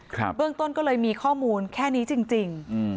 เบื้องต้นก็เลยมีข้อมูลแค่นี้จริงจริงอืม